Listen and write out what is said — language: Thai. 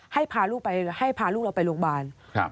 ให้พาลูกเราไปโรงพยาบาล